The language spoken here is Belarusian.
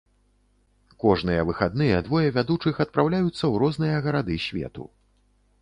Кожныя выхадныя двое вядучых адпраўляюцца ў розныя гарады свету.